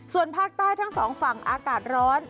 ส่วนภาคใต้ทั้งสองฝั่งอากาศร้อน